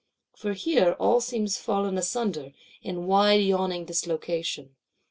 For here all seems fallen asunder, in wide yawning dislocation.